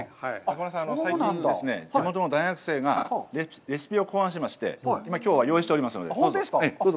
中丸さん、最近ですね、地元の大学生がレシピを考案しまして、きょうは用意しておりますのでどうぞ。